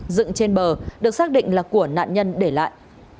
dựng trên bờ được xác định là của nạn nhân để lại